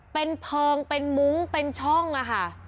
เป็นเพลิงเป็นมุ้งเป็นช่องอะค่ะ